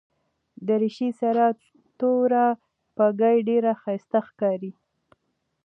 دریشي سره توره بګۍ ډېره ښایسته ښکاري.